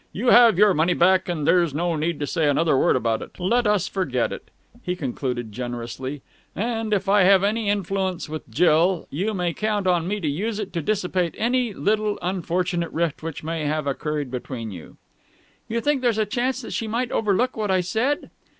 You have your money back, and there's no need to say another word about it. Let us forget it," he concluded generously. "And, if I have any influence with Jill, you may count on me to use it to dissipate any little unfortunate rift which may have occurred between you." "You think there's a chance that she might overlook what I said?"